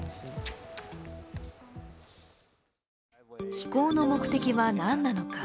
飛行の目的は何なのか。